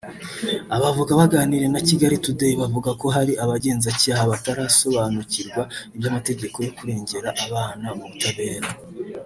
Abavoka baganiriye na Kigali today bavuga ko hari abagenzacyaha batarasobanukirwa iby’amategeko yo kurengera abana mu butabera